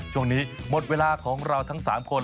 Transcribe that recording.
ช่วงนี้หมดเวลาของเราทั้ง๓คน